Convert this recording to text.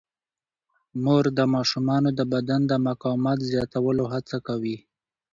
مور د ماشومانو د بدن د مقاومت زیاتولو هڅه کوي.